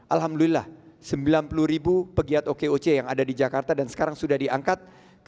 alhamdulillah sembilan puluh ribu pegiat okoc yang ada di jakarta dan sekarang sudah diangkat